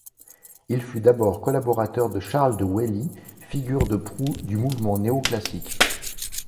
Il fut d'abord collaborateur de Charles de Wailly, figure de proue du mouvement néoclassique.